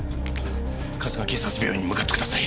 春日警察病院に向かって下さい。